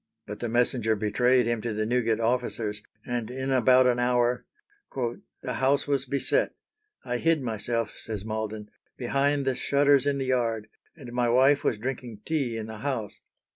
But the messenger betrayed him to the Newgate officers, and in about an hour "the house was beset. I hid myself," says Malden, "behind the shutters in the yard, and my wife was drinking tea in the house.